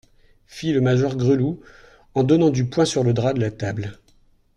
Fit le major Gresloup, en donnant du poing sur le drap de la table.